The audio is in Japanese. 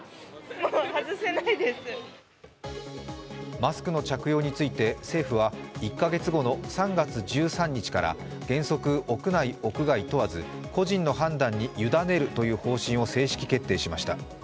マスクの着用について政府は１か月後の３月１３日から原則、屋内・屋外問わず個人の判断に委ねるという方針を正式決定しました。